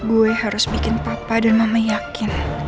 gue harus bikin papa dan mama yakin